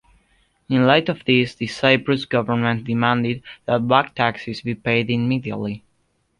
In light of this, the Cyprus Government demanded that back taxes be paid immediately.